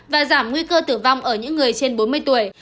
và giảm nguy cơ tử vong ở những người trên bốn mươi tuổi